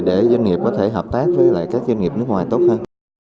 để doanh nghiệp có thể hợp tác với lại các doanh nghiệp nước ngoài tốt hơn